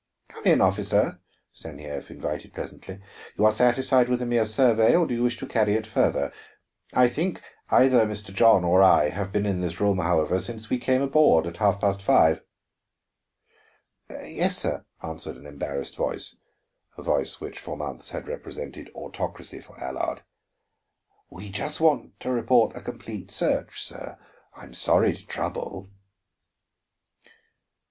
"Come in, officer," Stanief invited pleasantly. "You are satisfied with a mere survey, or do you wish to carry it farther? I think either Mr. John or I have been in this room, however, since we came aboard at half past five." [Illustration: "Come in, Officer," Stanief invited pleasantly.] "Yes, sir," answered an embarrassed voice, a voice which for months had represented autocracy for Allard. "We just want to report a complete search, sir. I'm sorry to trouble."